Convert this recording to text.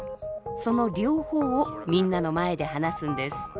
その両方をみんなの前で話すんです。